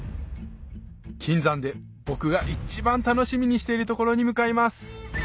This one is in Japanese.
金山で僕が一番楽しみにしている所に向かいます